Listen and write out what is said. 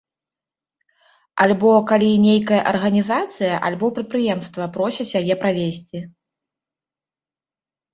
Альбо калі нейкая арганізацыя альбо прадпрыемства просяць яе правесці.